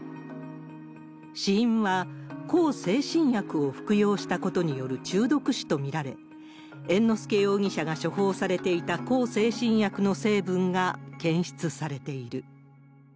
死因は向精神薬を服用したことによる中毒死と見られ、猿之助容疑者が処方されていた向精神薬の成分が検出されている。